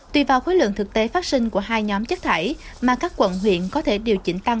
tùy vào khối lượng thực tế phát sinh của hai nhóm chất thải mà các quận huyện có thể điều chỉnh tăng